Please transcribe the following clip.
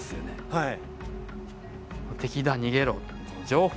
はい。